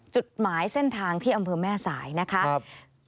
จุดหมายเส้นทางที่อำเภอแม่สายนะคะ